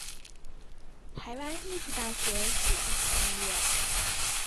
台湾艺术大学戏剧系毕业。